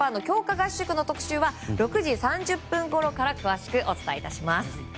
合宿の特集は６時３０分ごろから詳しくお伝えします。